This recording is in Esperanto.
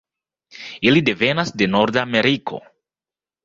Ili devenas de Nordameriko.